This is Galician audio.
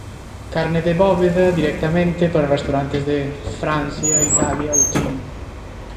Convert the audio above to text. Carne de Bóveda directamente para os restaurantes de Francia, Italia ou China.